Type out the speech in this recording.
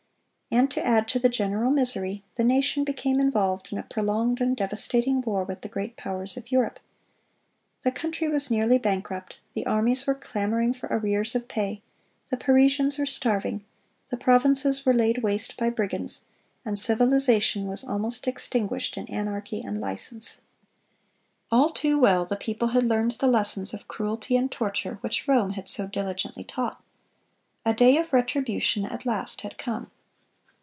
And to add to the general misery, the nation became involved in a prolonged and devastating war with the great powers of Europe. "The country was nearly bankrupt, the armies were clamoring for arrears of pay, the Parisians were starving, the provinces were laid waste by brigands, and civilization was almost extinguished in anarchy and license." All too well the people had learned the lessons of cruelty and torture which Rome had so diligently taught. A day of retribution at last had come.